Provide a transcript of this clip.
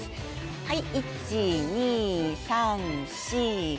はい１・２・３・４・５。